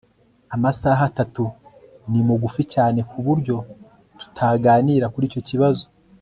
Amasaha atatu ni mugufi cyane kuburyo tutaganira kuri icyo kibazo